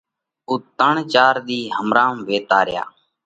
اُو ترڻ چار ۮِي همرام ويتا ريا۔